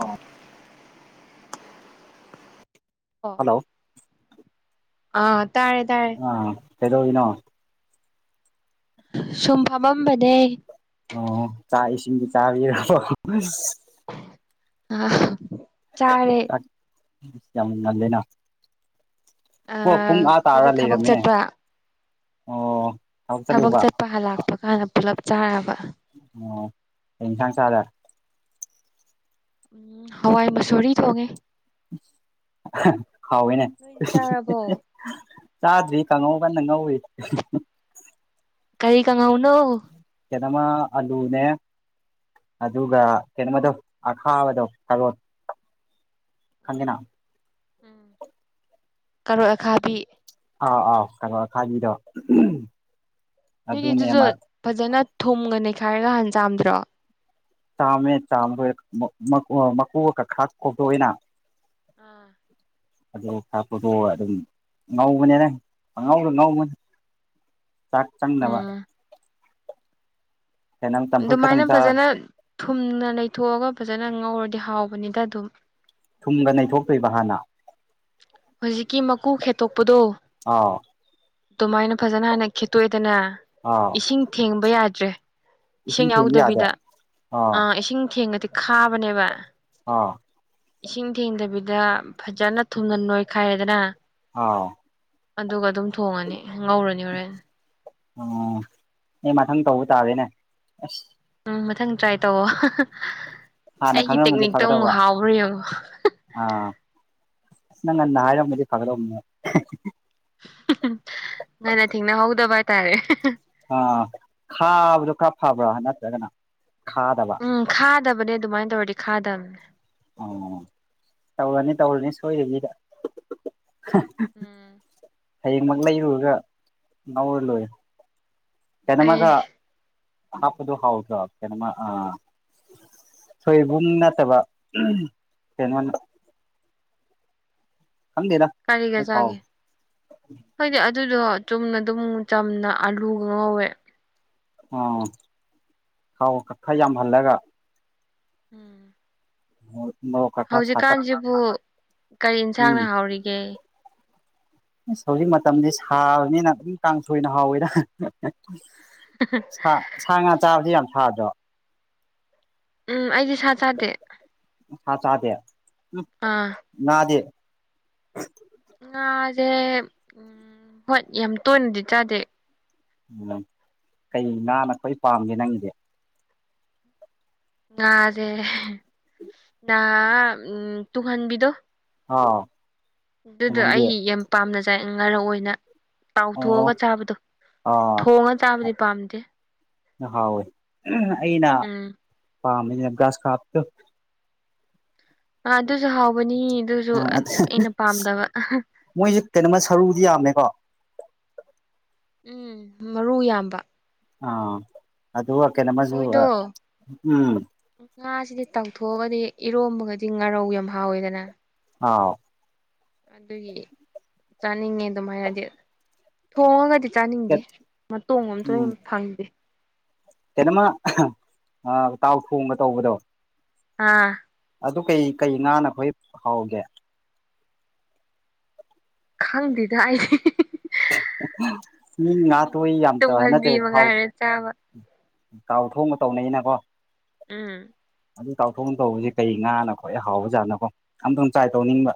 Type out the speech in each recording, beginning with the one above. ꯑꯣ ꯑꯣ ꯍꯜꯂꯣ ꯑꯥ ꯇꯥꯔꯦ ꯇꯥꯔꯦ ꯑ ꯀꯩꯗꯧꯔꯤꯅꯣ ꯁꯨꯝ ꯐꯃꯝꯕꯅꯦ ꯑꯣ ꯆꯥꯛ ꯏꯁꯤꯡꯗꯤ ꯆꯥꯕꯤꯔꯕꯣ ꯑꯥ ꯆꯥꯔꯦ ꯎꯝ ꯌꯥꯝ ꯉꯜꯂꯦꯅ ꯑꯣ ꯄꯨꯡ ꯑꯥ ꯑꯩꯈꯣꯏꯗꯣ ꯇꯥꯔ ꯊꯕꯛ ꯂꯩꯔꯝꯃꯤꯅꯦ ꯆꯠꯄ ꯑꯣ ꯊꯕꯛ ꯆꯠꯄ ꯍꯜꯂꯥꯛꯄ ꯀꯥꯟꯗ ꯄꯨꯜꯂꯞ ꯆꯥꯔꯕ ꯑꯣ ꯀꯩ ꯌꯦꯟꯁꯥꯡ ꯆꯥꯔꯦ ꯎꯝ ꯍꯋꯥꯏ ꯃꯁꯨꯔꯤ ꯊꯣꯡꯉꯦ ꯍꯥꯎꯋꯦꯅꯦ ꯅꯣꯏꯗꯤ ꯆꯥꯔꯕꯣ ꯆꯥꯗ꯭ꯔꯤ ꯀꯥꯡꯉꯧ ꯀꯟꯅ ꯉꯧꯔꯤ ꯀꯔꯤ ꯀꯪꯉꯧꯅꯣ ꯀꯩꯅꯣꯃ ꯑꯂꯨꯅꯦ ꯑꯗꯨꯒ ꯀꯩꯅꯣꯗꯣ ꯑꯈꯥꯕꯗꯣ ꯀꯥꯔꯣꯠ ꯈꯪꯉꯦꯅꯥ ꯎꯝ ꯀꯥꯔꯣꯠ ꯑꯈꯥꯕꯤ ꯑꯥꯎ ꯑꯥꯎ ꯀꯥꯔꯣꯠ ꯑꯈꯥꯕꯤꯗꯣ ꯅꯣꯏꯒꯤ ꯑꯗꯨꯅꯦ ꯑꯗꯨꯁꯨ ꯑꯃ ꯐꯖꯅ ꯊꯨꯝꯒ ꯅꯩꯈꯥꯏꯔꯒ ꯍꯥꯟ ꯆꯥꯝꯗ꯭ꯔꯣ ꯆꯥꯝꯃꯦ ꯆꯥꯝꯃꯗꯣꯏ ꯃꯀꯨꯀ ꯈꯥꯛ ꯈꯣꯛꯗꯣꯛꯑꯦꯅꯥ ꯑꯥ ꯑꯗ ꯊꯥꯛꯄꯗꯣ ꯑꯗꯨꯝ ꯉꯧꯕꯅꯦ ꯅꯪ ꯑꯉꯧꯗꯣ ꯉꯧꯕꯅꯦ ꯆꯥꯛ ꯆꯪꯕ ꯎꯝ ꯀꯩꯅꯣ ꯆꯝꯐꯨꯠ ꯈꯛꯇꯪ ꯑꯗꯨꯃꯥꯏꯅ ꯆꯥ ꯐꯖꯅ ꯊꯨꯝꯅ ꯅꯩꯊꯣꯛꯑꯒ ꯐꯖꯅ ꯉꯧꯔꯗꯤ ꯍꯥꯎꯕꯅꯤꯗ ꯑꯗꯨꯝ ꯊꯨꯝꯒ ꯅꯩꯊꯣꯛꯇꯣꯏꯕ ꯍꯥꯟꯅ ꯍꯧꯖꯤꯛꯀꯤ ꯃꯀꯨ ꯈꯦꯠꯇꯣꯛꯄꯗꯣ ꯑꯥ ꯑꯗꯨꯃꯥꯏꯅ ꯐꯖꯅ ꯍꯥꯟꯅ ꯈꯦꯠꯇꯣꯛꯑꯦꯗꯅꯥ ꯑꯥꯎ ꯏꯁꯤꯡ ꯊꯦꯡꯕ ꯌꯥꯗ꯭ꯔꯦ ꯏꯁꯤꯡ ꯊꯦꯡꯕ ꯌꯥꯗꯦ ꯌꯥꯎꯗꯕꯤꯗ ꯑꯥꯎ ꯑꯥ ꯏꯁꯤꯡ ꯊꯦꯡꯉꯗꯤ ꯈꯥꯕꯅꯦꯕ ꯑꯥ ꯏꯁꯤꯡ ꯊꯦꯡꯗꯕꯤꯗ ꯐꯖꯅ ꯊꯨꯝꯅ ꯅꯣꯏꯈꯥꯏꯔꯦꯗꯅꯥ ꯑꯥꯎ ꯑꯗꯨꯒ ꯑꯗꯨꯝ ꯊꯣꯡꯉꯅꯤ ꯉꯧꯔꯅꯤ ꯍꯣꯔꯦꯟ ꯑꯣ ꯑꯩ ꯃꯊꯪ ꯇꯧꯕ ꯇꯥꯗꯦꯅꯦ ꯑꯁ ꯎꯝ ꯃꯊꯪ ꯇ꯭ꯔꯥꯏ ꯇꯧꯋꯣ ꯍꯥꯟꯅ ꯑꯩꯒꯤ ꯈꯪꯉꯝꯃꯗꯤ ꯇꯦꯛꯅꯤꯛꯇꯣ ꯑꯃꯨꯛ ꯐꯒꯗꯧꯕ ꯍꯥꯎꯕꯔꯥ ꯌꯦꯡꯉꯣ ꯑꯥ ꯅꯪ ꯉꯟꯅ ꯍꯥꯏꯔꯝꯃꯗꯤ ꯐꯒꯗꯧꯕꯅꯦ ꯉꯟꯅ ꯊꯦꯡꯅꯍꯧꯗꯕ ꯍꯥꯏꯇꯥꯔꯦ ꯑꯥ ꯈꯥꯕꯗꯨ ꯈꯔ ꯐꯕ꯭ꯔꯥ ꯅꯠꯇ꯭ꯔꯒꯅ ꯈꯥꯗꯕ ꯎꯝ ꯈꯥꯗꯕꯅꯦ ꯑꯗꯨꯃꯥꯏꯅ ꯇꯧꯔꯗꯤ ꯈꯥꯗꯕꯅꯦ ꯑꯣ ꯇꯧꯔꯅꯤ ꯇꯧꯔꯅꯤ ꯁꯣꯏꯗꯕꯤꯗ ꯎꯝ ꯍꯌꯦꯡꯃꯛ ꯂꯩꯔꯨꯔꯒ ꯉꯧꯔ ꯂꯣꯏꯔꯦ ꯑꯩ ꯀꯩꯅꯃꯒ ꯍꯥꯞꯄꯗꯨ ꯍꯥꯎꯗ꯭ꯔꯣ ꯀꯩꯅꯣꯃ ꯑ ꯁꯣꯏꯕꯨꯝ ꯅꯠꯇꯕ ꯀꯩꯅꯣꯗ ꯈꯪꯗꯦꯗ ꯀꯔꯤꯒ ꯑꯩ ꯀꯥꯎ ꯆꯥꯒꯦ ꯈꯣꯏꯗꯤ ꯑꯗꯨꯗꯣ ꯆꯨꯝꯅ ꯑꯗꯨꯝ ꯆꯝꯅ ꯑꯂꯨꯒ ꯉꯧꯋꯦ ꯑꯣ ꯊꯥꯎꯒ ꯈ ꯌꯥꯝꯍꯜꯂꯒ ꯎꯝ ꯎꯝ ꯍꯧꯖꯤꯛꯀꯥꯟꯁꯤꯕꯨ ꯀꯔꯤ ꯎꯝ ꯏꯟꯁꯥꯡꯅ ꯍꯥꯎꯔꯤꯒꯦ ꯏꯁ ꯍꯧꯖꯤꯛ ꯃꯇꯝꯁꯦ ꯁꯥꯕꯅꯤꯅ ꯑꯗꯨꯝ ꯀꯥꯡꯁꯣꯏꯅ ꯍꯥꯎꯋꯦꯗ [unintelligible] ꯁꯥ ꯉꯥ ꯆꯥꯕꯁꯤ ꯌꯥꯝ ꯁꯥꯗ꯭ꯔꯣ ꯎꯝ ꯑꯩꯗꯤ ꯁꯥ ꯆꯥꯗꯦ ꯁꯥ ꯆꯥꯗꯦ ꯑꯥ ꯉꯥꯗꯤ ꯉꯥꯁꯦ ꯎ ꯍꯣꯏ ꯌꯥꯝ ꯇꯣꯏꯅꯗꯤ ꯆꯥꯗꯦ ꯎꯝ ꯀꯩ ꯉꯥꯅ ꯈꯋꯥꯏ ꯄꯥꯝꯒꯦ ꯅꯪꯒꯤꯗꯤ ꯉꯥꯁꯦ ꯎꯝ ꯉꯥ ꯇꯨꯡꯍꯟꯕꯤꯗꯣ ꯑ ꯑꯗꯨꯗꯣ ꯑꯩ ꯌꯥꯝ ꯄꯥꯝꯅ ꯆꯥꯏ ꯉꯥꯔꯧ ꯑꯣꯏꯅ ꯑꯣ ꯇꯥꯎꯊꯣꯛꯑꯒ ꯆꯥꯕꯗꯣ ꯊꯣꯡꯉꯒ ꯆꯥꯕꯗꯤ ꯄꯥꯝꯗꯦ ꯍꯥꯎꯏ ꯑꯩꯅ ꯎꯝ ꯄꯥꯝꯃꯤꯅ ꯒ꯭ꯔꯥꯁ ꯀꯥꯞꯇꯨ ꯑ ꯑꯗꯨꯁꯨ ꯍꯥꯎꯕꯅꯤ ꯗꯨꯁꯨ ꯑ ꯑꯩꯅ ꯄꯥꯝꯗꯕ ꯃꯣꯏꯁꯦ ꯀꯩꯅꯣꯃ ꯁꯔꯨꯗꯤ ꯌꯥꯝꯃꯦꯀꯣ ꯎꯝ ꯃꯔꯨ ꯌꯥꯝꯕ ꯑꯥ ꯑꯗꯨ ꯀꯩꯅꯣꯃꯁꯨ ꯃꯣꯏꯗꯣ ꯎꯝ ꯉꯥꯁꯤꯗꯤ ꯇꯥꯎꯊꯣꯛꯑꯒꯗꯤ ꯏꯔꯣꯝꯕꯒꯗꯤ ꯉꯥꯔꯧ ꯌꯥꯝ ꯍꯥꯎꯋꯦꯗꯅ ꯍꯥꯥꯎ ꯑꯗꯨꯒꯤ ꯆꯥꯅꯤꯡꯉꯦ ꯑꯗꯨꯃꯥꯏꯅꯗꯤ ꯊꯣꯡꯉꯒꯗꯤ ꯆꯥꯅꯤꯡꯗꯦ ꯃꯇꯣꯡ ꯑꯃꯝꯇ ꯐꯪꯗꯦ ꯀꯩꯅꯣꯝꯃ ꯑꯥ ꯇꯥꯎꯊꯣꯡꯒ ꯇꯧꯕꯗꯣ ꯑꯥ ꯑꯗꯣ ꯀꯩ ꯀꯩ ꯉꯥꯅ ꯈꯋꯥꯏ ꯍꯥꯎꯒꯦ ꯈꯪꯗꯦꯗ ꯑꯩ ꯃꯤ ꯉꯥꯇꯣꯏ ꯌꯥꯝꯇ ꯅꯠꯇꯦ ꯇꯨꯡꯍꯟꯕꯤ ꯊꯥꯎ ꯃꯉꯥꯏꯔꯦ ꯆꯥꯕ ꯇꯥꯎꯊꯣꯡ ꯇꯧꯅꯩꯅꯀꯣ ꯎꯝ ꯑꯗꯨ ꯇꯥꯎꯊꯣꯛꯅ ꯇꯧꯕꯁꯤ ꯀꯩ ꯉꯥꯅ ꯈꯋꯥꯏ ꯍꯥꯎꯕ ꯖꯥꯠꯅꯣꯀꯣ ꯑꯝꯇꯪ ꯇ꯭ꯔꯥꯏ ꯇꯧꯅꯤꯡꯕ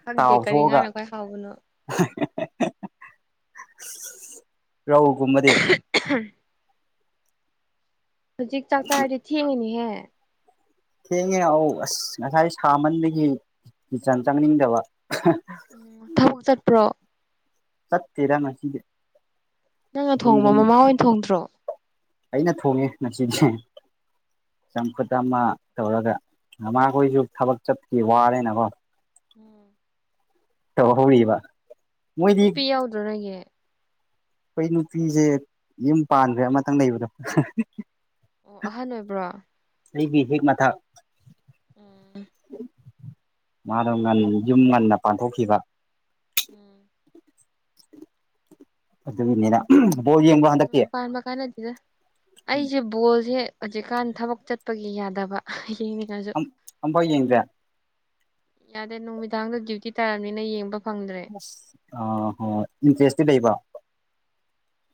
ꯈꯪꯗꯦ ꯀꯔꯤ ꯇꯥꯎꯊꯣꯛꯑꯒ ꯉꯥꯅ ꯈ꯭ꯋꯥꯏ ꯍꯥꯎꯕꯅꯣ [unintelligible] ꯔꯧꯒꯨꯝꯕꯗꯤ [unintelligible] ꯍꯧꯖꯤꯛ ꯆꯥꯛ ꯆꯥꯔꯗꯤ ꯊꯦꯡꯉꯅꯤꯍꯦ ꯊꯦꯡꯉꯦ ꯑꯧ ꯑꯁ ꯉꯁꯥꯏ ꯁꯥꯃꯟꯗꯒꯤ ꯀꯤꯆꯟ ꯆꯪꯅꯤꯡꯗꯕ ꯎꯝ ꯊꯕꯛ ꯆꯠꯄ꯭ꯔꯣ ꯆꯠꯇꯦꯗ ꯉꯁꯤꯗꯤ ꯅꯪꯅ ꯑꯗꯨꯝ ꯊꯣꯡꯕ ꯌꯨꯝ ꯃꯃꯥ ꯍꯣꯏ ꯊꯣꯡꯗ꯭ꯔꯣ ꯑꯩꯅ ꯊꯣꯡꯉꯦ ꯉꯁꯤꯗꯤ ꯆꯝꯐꯨꯠ ꯑꯃ ꯇꯧꯔꯒ ꯃꯃꯥꯈꯣꯏꯁꯨ ꯊꯕꯛ ꯆꯠꯄꯒꯤ ꯋꯥꯔꯦꯅꯀꯣ ꯎꯝ ꯇꯩꯍꯧꯔꯤꯕ ꯅꯨꯄꯤ ꯌꯥꯎꯗ꯭ꯔꯣ ꯅꯣꯏꯒꯤ ꯑꯈꯣꯏ ꯅꯨꯄꯤꯁꯦ ꯌꯨꯝ ꯄꯥꯟꯒ꯭ꯔꯦ ꯑꯃꯇꯪ ꯂꯩꯕꯗꯣ ꯑꯣ ꯑꯍꯟ ꯑꯣꯏꯕ꯭ꯔꯣ ꯑꯩꯒꯤ ꯍꯦꯛ ꯃꯊꯛ ꯎꯝ ꯃꯥꯗꯣ ꯉꯟ ꯌꯨꯝ ꯉꯟꯅ ꯄꯥꯟꯊꯣꯛꯈꯤꯕ ꯎꯝ ꯑꯗꯨꯒꯤꯅꯤꯗ [unintelligible] ꯌꯨꯝ ꯉꯟꯅ ꯄꯥꯟꯕ ꯀꯥꯟꯅꯗꯦꯗ ꯑꯩꯖꯦ ꯕꯣꯜꯁꯦ ꯍꯧꯖꯤꯛꯀꯥꯟ ꯊꯕꯛ ꯆꯠꯄꯒꯤ ꯌꯥꯗꯕ ꯌꯦꯡꯅꯤꯡ ꯑꯝ ꯑꯝꯐꯥꯎ ꯌꯦꯡꯗꯦ ꯌꯥꯗꯦ ꯅꯨꯃꯤꯗꯥꯡꯗ ꯗ꯭ꯌꯨꯇꯤ ꯇꯥꯔꯝꯅꯤꯅ ꯌꯦꯡꯕ ꯐꯪꯗ꯭ꯔꯦ ꯑꯁ [unintelligible] ꯏꯟꯇ꯭ꯔꯦꯁꯇꯤ ꯂꯩꯕ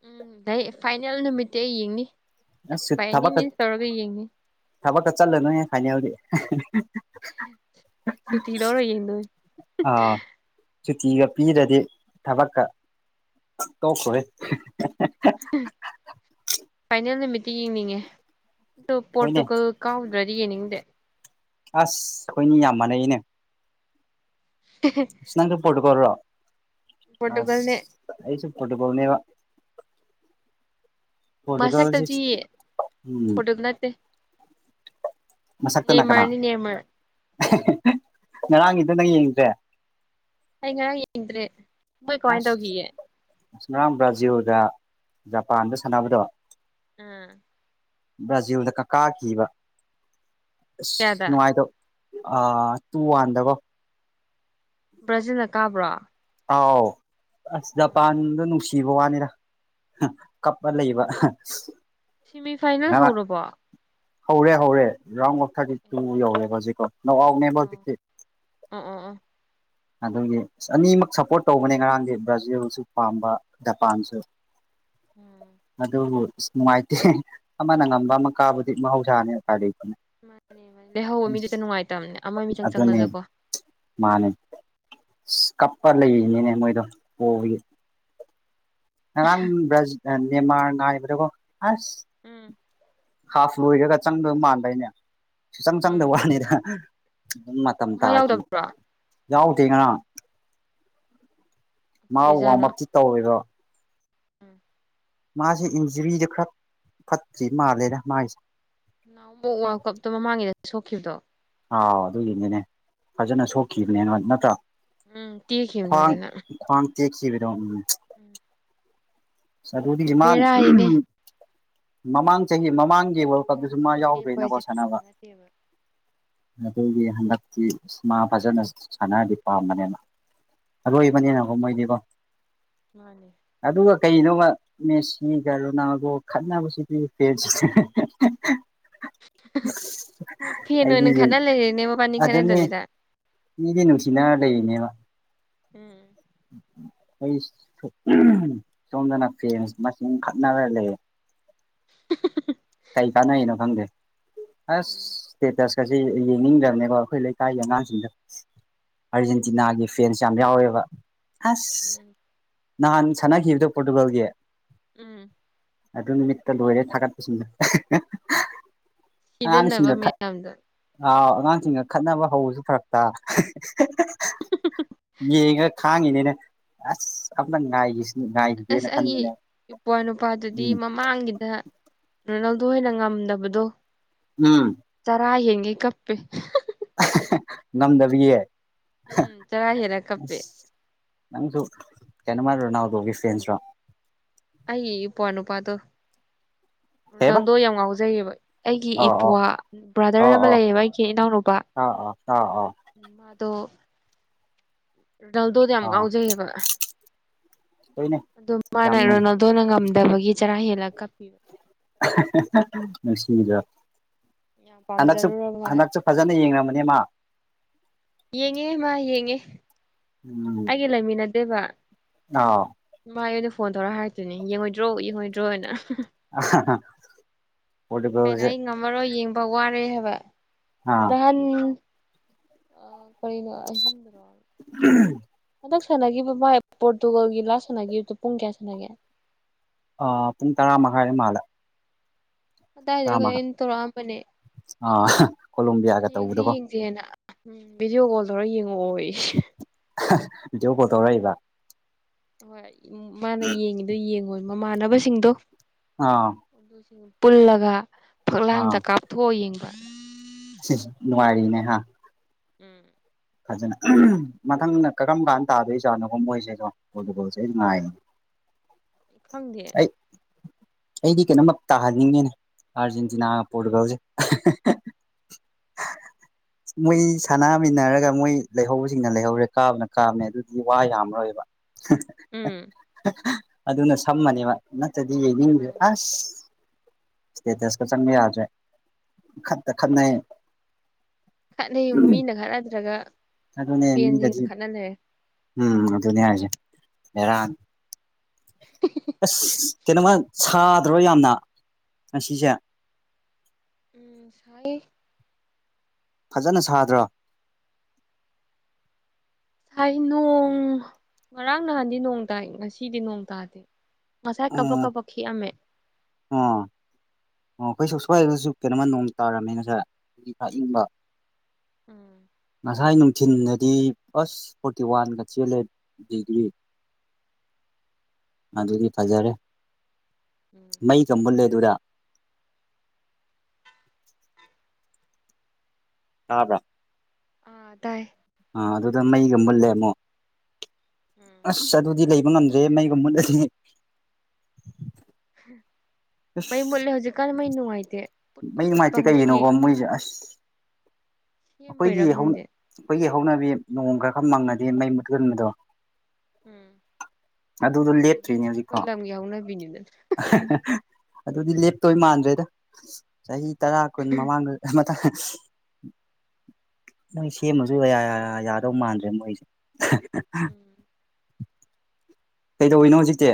ꯎꯝ ꯐꯥꯏꯅꯦꯜ ꯅꯨꯃꯤꯠꯇꯤ ꯑꯩ ꯌꯦꯡꯅꯤ ꯑꯁ ꯕꯥꯏ ꯑꯦꯅꯤ ꯊꯕꯛꯀ ꯃꯤꯟꯁ ꯇꯧꯔꯒ ꯌꯦꯡꯅꯤ ꯊꯕꯛꯀ ꯆꯠꯂꯅꯨꯍꯦ ꯐꯥꯏꯅꯦꯜꯗꯤ [unintelligible] ꯁꯨꯇꯤ ꯂꯧꯔ ꯌꯦꯡꯗꯣꯏꯅꯤ ꯑꫭ ꯁꯨꯇꯤꯒ ꯄꯤꯔꯗꯤ ꯊꯕꯛꯀ ꯇꯣꯛꯈꫭꯍꯦ [unintelligible] ꯐꯥꯏꯅꯦꯜ ꯅꯨꯃꯤꯠꯇꯤ ꯌꯦꯡꯅꯤꯡꯉꯦ ꯑꯗꯨ ꯍꯣꯏꯅꯦ ꯄꯣꯔꯇꯨꯒꯜ ꯀꯥꯎꯗ꯭ꯔꯗꯤ ꯌꯦꯡꯅꯤꯡꯗꯦ ꯑꯥꯁ ꯑꯈꯣꯏꯅꯤ ꯌꯥꯝ ꯃꯥꯅꯩꯅꯦ [unintelligible] ꯑꯁ ꯅꯪꯁꯨ ꯄꯣꯔꯇꯨꯒꯜꯔꫭ ꯄꯣꯔꯇꯨꯒꯜꯅꯦ ꯑꯁ ꯑꯩꯁꯨ ꯄꯣꯔꯇꯨꯒꯜꯅꯦꯕ ꯄꯣꯔꯇꯨꯒꯜꯁꯤ ꯃꯁꯛꯇꯗꯤ ꯎꯝ [unintelligible] ꯅꯠꯇꯦ ꯃꯁꯛꯇꯅ ꯀꯅꯥ ꯅꯦꯃꯔꯅꯤ ꯅꯦꯃꯔ [unintelligible] ꯉꯔꯥꯡꯒꯤꯗꫭ ꯅꯪ ꯌꯦꯡꯗ꯭ꯔꯦ ꯑꯩ ꯉꯔꯥꯡ ꯌꯦꯡꯗ꯭ꯔꯦ ꯃꯣꯏ ꯀꯃꯥꯏꯅ ꯇꯧꯈꯤꯒꯦ ꯑꯥꯁ ꯉꯔꯥꯡ ꯕ꯭ꯔꯥꯖꯤꯜꯗ ꯖꯄꯥꯟꯗ ꯁꯥꯟꯅꯕꯗꯣ ꯑ ꯕ꯭ꯔꯖꯤꯜꯅ ꯀꯥꯈꯤꯕ ꯑꯁ ꯀꯌꯥꯗ ꯅꯨꯡꯉꯥꯏ [unintelligible] ꯑ ꯇꯨ ꯋꯥꯟꯗꯀꯣ ꯕ꯭ꯔꯖꯤꯜꯅ ꯀꯥꯕ꯭ꯔꯣ ꯑꯥꯎ ꯑꯁ ꯖꯄꯥꯟꯗꫭ ꯅꯨꯡ ꯁꯤꯕ ꯋꯥꯅꯤꯗ [unintelligible] ꯀꯞꯄ ꯂꯩꯕ ꯁꯦꯃꯤ ꯐꯥꯏꯅꯦꯜ ꯉꯔꯥꯡ ꯍꯧꯔꯕꯣ ꯍꯧꯔꯦ ꯍꯧꯔꯦ ꯔꯥꯎꯟ ꯑꯣꯐ ꯊꯥꯔꯇꯤ ꯇꯨ ꯌꯧꯔꯦꯕ ꯍꯧꯖꯤꯛꯀꯣ ꯅꫭꯛ ꯑꯥꯎꯠꯅꯦꯕ ꯍꯧꯖꯤꯛꯀꯤ ꯑꯣ [unintelligible] ꯑꯗꯨꯒꯤ ꯑꯅꯤꯃꯛ ꯁꯞꯄꯣꯔꯠ ꯇꯧꯕꯅꯦ ꯉꯔꯥꯡꯗꯤ ꯕ꯭ꯔꯖꯤꯜꯁꯨ ꯄꯥꯝꯕ ꯖꯄꯥꯟꯁꯨ ꯎꯝ ꯑꯗꯨꯕꯨ ꯅꯨꯡꯉꯥꯏꯇꯦ ꯑꯃꯅ ꯉꯝꯕ ꯑꯃ ꯀꯥꯕꯗꯤ ꯃꯍꯧꯁꯥꯅꯦ [unintelligible] ꯃꯥꯅꯦ ꯃꯥꯅꯦ ꯂꯩꯍꯧꯕ ꯃꯤꯗꯨꯇ ꯅꯨꯡꯉꯥꯏꯇꯝꯅꯦ ꯑꯃ ꯃꯤꯇꯪ ꯑꯗꯨꯅꯦ ꯆꯪꯉꯖꯨꯀꯣ ꯃꯥꯅꯦ ꯑꯁ ꯀꯞꯄ ꯂꯩꯔꯤꯅꯤꯅꯦ ꯃꯣꯏꯗꯣ ꯄꫭꯕꯒꯤ ꯉꯔꯥꯡ ꯕ꯭ꯔ ꯅꯦꯃꯥꯔ ꯉꯥꯏꯕꯗꯀꫭ ꯑꯁ ꯎꯝ ꯍꯥꯞ ꯂꯣꯏꯔꯒ ꯆꯪꯗꯕ ꯃꯥꯟꯕꯩꯅꯦ ꯁꯨꯆꯪ ꯎꯝ ꯆꯪꯗꯕ ꯋꯥꯅꯤꯗ [unintelligible] ꯃꯇꯝ ꯃꯥ ꯇꯥꯈꯤ ꯌꯥꯎꯗꯕ꯭ꯔꯣ ꯌꯥꯎꯗꯦ ꯉꯔꯥꯡ ꯃꯥ ꯋꯥꯔꯝ ꯀꯩꯒꯤꯖꯥꯠꯅꯣ ꯑꯞꯇꯤ ꯇꯧꯔꯤꯔꯣ ꯎꯝ ꯃꯥꯁꯦ ꯏꯟꯖꯨꯔꯤꯗ ꯈꯔ ꯐꯠꯇ꯭ꯔꯤ ꯃꯥꯜꯂꯦꯗ ꯃꯥꯒꯤꯁꯦ ꯅꯍꯥꯟꯃꯨꯛ ꯋꯥꯔꯜ ꯀꯞꯇꯣ ꯃꯃꯥꯡꯒꯤꯗ ꯁꯣꯛꯈꯤꯕꯗꯣ ꯑꯥꯎ ꯑꯗꯨꯒꯤꯅꯦꯅꯦ ꯐꯖꯅ ꯁꯣꯛꯈꯤꯕꯅꯦ ꯅꯣꯏ ꯅꯠꯇ꯭ꯔꯣ ꯎꯝ ꯇꯦꯈꯤꯕꯅꯦ ꯐꯖꯅ ꯈꯥ꯭ꯋꯡ ꯇꯦꯈꯤꯕꯗꯣ ꯎꯝ [inaudible] ꯁꯔꯨꯗꯤ ꯃꯥꯟ ꯕꯦꯔꯥꯅꯤꯅꯦ [unintelligible] ꯃꯃꯥꯡ ꯆꯍꯤ ꯃꯃꯥꯡꯒꯤ ꯋ ꯈꯋ꯭ꯥꯡ ꯁꯔꯨ ꯇꯦꯛꯄꯑꯩꯖꯦ [unintelligible] ꯅꯠꯇꯦꯕ ꯑꯗꯨꯒꯤ ꯍꯟꯗꯛꯇꯤ ꯃꯥ ꯐꯖꯅ ꯁ ꯁꯥꯟꯅꯔꯗꯤ ꯄꯥꯝꯕꯅꯦꯃ ꯎꯝ ꯑꯂꯣꯏꯕꯅꯦꯅ ꯃꯣꯏꯗꯤꯒꯣ ꯃꯥꯅꯦ ꯑꯗꯨꯒ ꯀꯩꯅꯣꯕ ꯃꯦꯁꯤꯒ ꯔꯣꯅꯥꯜꯗꯣꯒ ꯈꯠꯅꯕꯁꯤꯗꯤ ꯐꯦꯟꯁ [unintelligible] ꯃꯣꯏ [unintelligible] ꯐꯦꯟ ꯑꯣꯏꯅ ꯑꯩꯗꯤꯅꯦ ꯈꯠꯅ ꯂꯩꯔꯦꯅꯦ ꯃꯕꯥꯅꯤ ꯑꯗꯨꯅꯦ ꯈꯠꯅꯗꯕꯤꯗ ꯃꯤꯗꯤ ꯅꯨꯡꯁꯤꯅ ꯂꯩꯔꯤꯅꯦꯕ ꯎꯝ ꯑꯩꯁ [unintelligible] ꯁꯣꯝꯗꯅ ꯐꯦꯟꯁ ꯃꯁꯤꯟ ꯈꯠꯅꯔ ꯂꯩꯌꯦ ꯀꯩ ꯀꯥꯟꯅꯩꯅꯣ ꯈꯪꯗꯦ ꯑꯁ ꯎꯝ ꯇꯦꯇꯁ ꯀꯁꯦ ꯌꯦꯡꯅꯤꯡꯗ꯭ꯔꯝꯅꯦꯀꯣ ꯑꯩꯈꯣꯏ ꯂꯩꯀꯥꯏꯒꯤ ꯑꯉꯥꯡꯁꯤꯡꯗ ꯑꯥꯔꯖꯦꯟꯇꯤꯅꯥꯒꯤ ꯐꯦꯟꯁ ꯌꯥꯝ ꯌꯥꯎꯋꯦꯕ ꯑꯁ ꯎꯝ ꯅꯍꯥꯟ ꯁꯥꯟꯅꯈꯤꯕꯗꯣ ꯄꯣꯔꯇꯨꯒꯜꯒꯤ ꯎꯝ ꯑꯗꯨ ꯅꯨꯃꯤꯠꯇ ꯂꯣꯏꯔꯦ ꯊꯒꯠꯄꯁꯤꯡꯅ ꯁꯤꯗꯅꯕ ꯑꯉꯥꯡꯁꯤꯡꯒ ꯈꯠ ꯃꯌꯥꯝꯗꯣ ꯑꯥ ꯑꯉꯥꯡꯁꯤꯡꯒ ꯈꯠꯅꯕ ꯍꯧꯕꯁꯨ ꯐꯔꯛꯇ [unintelligible] ꯌꯦꯡꯉ ꯈꯥꯡꯉꯤꯅꯤꯅꯦ ꯑꯁ ꯑꯝꯇ ꯉꯥꯏꯈꯤꯁ ꯑꯁ ꯑꯩꯒꯤ ꯏꯄ꯭ꯋꯥ ꯅꯨꯄꯥꯗꯨꯗꯤ ꯎꯝ ꯃꯝ ꯃꯥꯡꯒꯤꯗ [unintelligible] ꯍꯣꯏꯅ ꯉꯝꯗꯕꯗꯣ ꯎꯝ ꯆꯔꯥ ꯍꯦꯟꯒꯩ ꯀꯞꯄꯦ [unintelligible] ꯉꯝꯗꯕꯤ ꯌꯦ ꯎꯝ ꯆꯔꯥ ꯍꯦꯜꯂ ꯀꯞꯄꯦ ꯅꯪꯁꯨ ꯀꯩꯅꯣꯃ ꯔꯣꯅꯥꯜꯗꯣꯒꯤ ꯐꯦꯟꯁꯔꯣ ꯑꯩꯏ ꯏꯄ꯭ꯋꯥ ꯅꯨꯄꯥꯗꯣ ꯀꯩꯕ ꯅꯜꯗꯣ ꯌꯥꯝ ꯉꯥꯎꯖꯩꯌꯦꯕ ꯑꯩꯒꯤ ꯑꯣ ꯑꯣ ꯏꯄ꯭ꯋꯥ ꯕ꯭ꯔꯥꯗꯔ ꯑꯣ ꯑꯃ ꯑꯣ ꯂꯩꯌꯦꯕ ꯑꯩꯒꯤ ꯏꯅꯥꯎꯅꯨꯄꯥ [unintelligible] ꯃꯥꯗꯣ ꯔꯣꯅꯜꯗꯣꯗꯣ ꯌꯥꯝ ꯑꯥ ꯉꯥꯎꯖꯩꯌꯦꯕ ꯍꯣꯏꯅꯦ ꯑꯗꯣ ꯃꯥꯅ ꯌꯥꯝ ꯔꯣꯅꯜꯗꯣꯅ ꯉꯝꯗꯕꯒꯤ ꯆꯔꯥ ꯍꯦꯜꯂ ꯀꯞꯄꯤ [unintelligible] ꯅꯨꯡꯁꯤꯗ꯭ꯔ ꯌꯥꯝ ꯍꯟꯗꯛ ꯆꯨꯞ ꯄꯥꯝꯖꯔꯨꯔꯕ ꯃꯥꯜꯂꯦ ꯍꯟꯗꯛꯆꯨꯨꯞ ꯐꯖꯅ ꯌꯦꯡꯉꯝꯃꯅꯦ ꯃꯥ ꯌꯦꯡꯉꯦ ꯃꯥ ꯌꯦꯡꯉꯦ ꯎꯝ ꯑꯩꯒ ꯂꯩꯃꯤꯟꯅꯗꯦꯕ ꯅꯥꯎ ꯃꯥꯥ ꯑꯩꯟꯗ ꯐꯣꯟ ꯇꯧꯔ ꯍꯥꯏꯔꯛꯇꯏꯅꯦ ꯌꯦꯡꯉꯣꯏꯗ꯭ꯔꯣ ꯌꯦꯡꯉꯣꯏꯗ꯭ꯔꯣ ꯑꯅ [unintelligible] [unintelligible] ꯄꯣꯔꯗꯨꯒꯜꯖꯦ ꯉꯝꯃꯥꯔꯣꯏ ꯌꯦꯡꯕ ꯋꯥꯔꯦ ꯍꯥꯏꯕ ꯑꯥ ꯅꯍꯥꯟ ꯎꯝ ꯀꯔꯤꯅꯣ ꯑꯍꯤꯡꯗꯥꯔꯣ ꯎꯝ ꯍꯟꯗꯛ ꯁꯥꯟꯅꯈꯤꯕ ꯕꯥꯢ ꯄꯣꯔꯇꯨꯒꯜꯒꯤ ꯂꯥꯁ ꯁꯥꯟꯅꯈꯤꯕꯗꯣ ꯄꯨꯡ ꯀꯌꯥ ꯁꯥꯟꯅꯒꯦ ꯄꯨꯡ ꯇꯔꯥꯃꯉꯥꯏꯗ ꯃꯥꯜꯂꯦ ꯑꯗꯨꯗꯥꯔꯥ ꯇꯔꯥ ꯀꯩꯅꯣ ꯃꯈꯥꯏ ꯑꯩꯅ ꯇꯧꯔꯛꯑꯝꯕꯅꯦ ꯑꯥ ꯀꯣꯂꯣꯝꯕꯤꯌꯥꯒ ꯌꯦꯡꯁꯤ ꯇꯧꯕꯗꯀꯣ ꯌꯦꯡ ꯏꯆꯦꯅ ꯎꯝ ꯚꯤꯗꯤꯑꯣ ꯀꯣꯜꯗꯧꯔ ꯌꯦꯡꯉꯛꯑꯣ ꯌꯦ ꯚꯤꯗꯤꯑꯣ ꯀꯣꯜ ꯇꯧꯔꯛꯏꯕ ꯍꯣꯏ ꯃꯥꯅ ꯌꯦꯡꯉꯤꯗꯨ ꯌꯦꯡꯉꯣꯏꯌꯦ ꯃꯥꯃꯥꯟꯅꯕꯁꯤꯡꯗꯣ ꯑꯥ ꯑꯗꯨꯁꯤꯡ ꯄꯨꯜꯂꯒ ꯐꯛꯂꯥꯡꯗ ꯀꯥꯞꯊꯣꯛꯑ ꯌꯦꯡꯕ ꯁꯤꯁ ꯅꯨꯡꯉꯥꯏꯔꯤꯅꯦ ꯍꯥ ꯎꯝ ꯐꯖꯅ ꯎꯝ ꯃꯊꯪꯗ ꯀꯔꯝ ꯀꯥꯟꯗ ꯇꯥꯗꯣꯏ ꯖꯥꯠꯅꯣꯕ ꯃꯣꯏꯁꯦꯗꯣ ꯄꯣꯔꯇꯨꯒꯜꯁꯦ ꯉꯥꯏ ꯈꯪꯗꯦ ꯑꯩꯗꯤ ꯀꯩꯅꯣꯝꯃ ꯇꯥꯍꯟꯅꯤꯡꯉꯤꯅꯦ ꯑꯥꯔꯖꯦꯟꯇꯤꯅꯥꯒ ꯄꯣꯔꯇꯨꯒꯜꯁꯦ [unintelligible] ꯃꯣꯏ ꯁꯥꯟꯅꯃꯤꯟꯅꯔꯒ ꯃꯣꯏ ꯂꯩꯍꯧꯕꯁꯤꯡꯅ ꯂꯩꯍꯧꯔꯦ ꯀꯥꯕꯅ ꯀꯥꯕꯅꯦ ꯑꯗꯨꯗꯤ ꯋꯥ ꯌꯥꯝꯃꯥꯔꯣꯏꯕ [unintelligible] ꯎꯝ ꯑꯗꯨꯅ ꯁꯝꯃꯅꯦꯕ ꯅꯠꯇ꯭ꯔꯗꯤ ꯅꯤꯡꯁꯦ ꯃꯥꯅꯦ ꯑꯁ ꯏꯁꯇꯦꯇꯁꯀꯥ ꯆꯪꯕ ꯌꯥꯗ꯭ꯔꯦ ꯃꯪꯈꯠꯇ ꯈꯠꯅꯩ ꯈꯠꯅꯩ ꯃꯤꯅ ꯈꯠꯅꯗ꯭ꯔꯒ ꯑꯗꯨꯅꯦ ꯐꯦꯟꯁꯤꯡꯅ ꯃꯤꯗꯗꯤ ꯈꯠꯅ ꯂꯩꯔꯦ ꯎꯝ ꯑꯗꯨꯅꯦ ꯍꯥꯏꯁꯦ ꯕꯦꯔꯥ ꯑꯁ ꯀꯩꯅꯣꯃ ꯁꯥꯗ꯭ꯔꯣ ꯌꯥꯝꯅ ꯉꯁꯤꯁꯦ ꯎꯝ ꯁꯥꯏ ꯐꯖꯅ ꯁꯥꯗ꯭ꯔꯣ ꯍꯥꯏ ꯅꯣꯡ ꯉꯔꯥꯡ ꯅꯍꯥꯟꯗꯤ ꯅꯣꯡ ꯇꯥꯏ ꯉꯁꯤꯗꯤ ꯅꯣꯡ ꯇꯥꯗꯦ ꯃꯁꯥꯏ ꯀꯥꯕꯛ ꯀꯥꯕꯛ ꯈꯤꯛ ꯑꯃꯝꯃꯦ ꯑꯥ ꯑꯣ ꯑꯩꯈꯣꯏꯁꯨ ꯁ꯭ꯋꯥꯏꯗꯁꯨ ꯀꯩꯅꯣꯝꯃ ꯅꯣꯡ ꯇꯥꯔꯝꯃꯦ ꯉꯁꯥꯢ ꯑꯗꯨꯒꯤ ꯈꯔ ꯑꯤꯡꯕ ꯎꯝ ꯉꯁꯥꯏ ꯅꯨꯡꯊꯤꯟꯗꯗꯤ ꯑꯁ ꯐꯣꯔꯇꯤ ꯋꯥꯟꯒ ꯆꯦꯜꯂꯦ ꯗꯤꯒ꯭ꯔꯤ ꯑꯗꯨꯗꯤ ꯐꯖꯔꯦ ꯎꯝ ꯃꯩꯒ ꯃꯨꯠꯂꯦ ꯑꯗꯨꯗ ꯇꯥꯕ꯭ꯔꯥ ꯑꯥ ꯇꯥꯢ ꯑꯥ ꯑꯗꯨꯗ ꯃꯩꯒ ꯃꯨꯠꯂꯦ ꯑꯃꯨꯛ ꯎꯝ ꯑꯁ ꯑꯗꯨꯗꯤ ꯂꯩꯕ ꯉꯝꯗ꯭ꯔꯦꯍꯦ ꯃꯩꯒꯥ ꯃꯨꯠꯂꯗꯤ ꯑꯁ ꯃꯩ ꯃꯨꯠꯂꯦ ꯍꯧꯖꯤꯛꯀꯥꯟ ꯃꯩ ꯅꯨꯡꯉꯥꯏꯇꯦ ꯄꯨꯠꯄ ꯃꯩ ꯄꯨꯠꯄ ꯅꯨꯡꯉꯥꯢꯇꯦ ꯉꯁꯤ ꯀꯩꯒꯤꯅꯣꯀꯣ ꯃꯣꯏꯁꯦ ꯑꯁ ꯑꯩꯈꯣꯏꯒꯤ ꯁꯦꯝꯕꯩꯔꯥ ꯍꯧ ꯈꯪꯗꯦ ꯑꯩꯈꯣꯏꯒꯤ ꯍꯧꯅꯕꯤ ꯅꯣꯡ ꯈꯔ ꯈꯔ ꯃꯪꯉꯗꯤ ꯃꯩ ꯃꯨꯠꯀꯟꯕꯤꯗꯣ ꯎꯝ ꯑꯗꯨꯕꯨꯗꯤ ꯂꯦꯞꯇ꯭ꯔꯤꯅꯦ ꯈꯣꯏ ꯍꯧꯖꯤꯛꯐꯥꯎ ꯂꯝꯒꯤ ꯍꯧꯅꯥꯕꯤꯅꯤꯗ [unintelligible] ꯑꯗꯨꯗꯤ ꯂꯦꯞꯇꯣꯏ ꯃꯥꯟꯗ꯭ꯔꯦꯗ ꯆꯍꯤ ꯇꯔꯥ ꯀꯨꯟ ꯃꯃꯥꯡꯗ ꯑ ꯃꯇ ꯅꯣꯏ ꯁꯦꯝꯃꯁꯨ ꯌꯥꯌꯥ ꯌꯥꯗꯧ ꯃꯥꯟꯗ꯭ꯔꯦ ꯃꯣꯏꯖꯦ ꯎꯝ ꯀꯩꯗꯧꯋꯤꯅꯣ ꯍꯧꯖꯤꯛꯇꯤ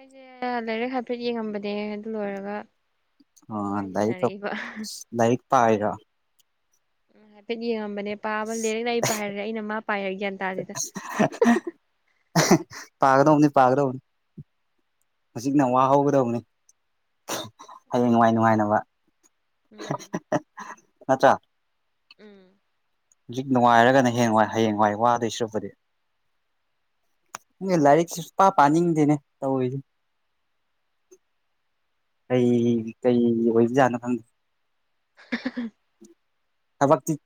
ꯑꯩꯖꯦ ꯂꯥꯏꯔꯤꯛ ꯍꯥꯏꯐꯦꯠ ꯌꯦꯡꯉꯝꯕꯅꯦ ꯑꯗꯨ ꯂꯣꯏꯔꯒ ꯑ ꯋꯥꯔꯤ ꯂꯥꯏꯔꯤꯛ ꯇꯧ ꯁꯥꯟꯅꯔꯛꯏꯕ ꯂꯥꯏꯔꯤꯛ ꯄꯥꯏꯔꯣ ꯎꯝ ꯍꯥꯏꯐꯦꯠ ꯌꯦꯡꯉꯝꯕꯅꯦ ꯄꯥꯕ ꯂꯩꯔꯤꯛꯅ ꯑꯩ ꯄꯥꯏꯔ ꯑꯩꯅ ꯃꯥ ꯄꯥꯏꯔ ꯒ꯭ꯌꯥꯟ ꯇꯥꯗꯦꯗ ꯄꯥꯒꯗꯧꯅꯦ ꯄꯥꯒꯗꯧꯅꯦ ꯍꯧꯖꯤꯛꯅ ꯋꯥꯍꯧꯒꯗꯧꯅꯤ ꯍꯌꯦꯡ ꯅꯨꯡꯉꯥꯏ ꯅꯨꯡꯉꯥꯏꯅꯕ ꯎꯝ ꯅꯠꯇ꯭ꯔꯥ ꯎꯝ ꯍꯧꯖꯤꯛ ꯅꯨꯡꯉꯥꯏꯔꯒꯅ ꯍꯦꯡꯋꯥꯏ ꯍꯌꯦꯡꯋꯥꯏ ꯋꯥꯗꯣꯏ ꯁ꯭ꯔꯨꯛꯄꯨꯗꯤ ꯅꯦ ꯂꯥꯏꯔꯤꯛꯁꯤ ꯁꯨꯡꯄꯥ ꯄꯥꯅꯤꯡꯗꯦꯅꯦ ꯇꯧꯏꯖꯦ ꯑꯩꯗꯤ ꯀꯩꯒꯤ ꯑꯣꯏꯕꯖꯥꯠꯅꯣ ꯈꯪꯗꯦ [unintelligible] ꯊꯕꯛꯇꯤ